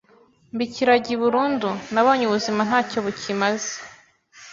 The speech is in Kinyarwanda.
mba ikiragi burundu, nabonye ubuzima ntacyo bukimaze